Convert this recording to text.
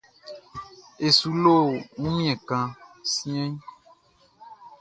E su lo wunmiɛn kan siɛnʼn.